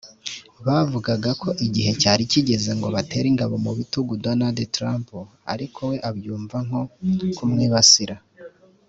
bavugaga ko igihe cyari kigeze ngo batere ingabo mu bitugu Donald Trump ariko we abyumva nko kumwibasira